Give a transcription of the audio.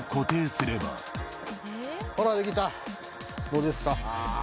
どうですか？